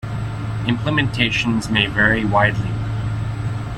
Implementations may vary widely.